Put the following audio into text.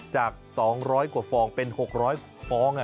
จาก๒๐๐กว่าฟองเป็น๖๐๐ฟอง